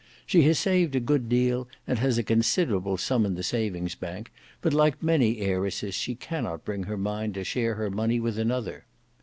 She has saved a good deal and has a considerable sum in the Savings' Bank, but like many heiresses she cannot bring her mind to share her money with another.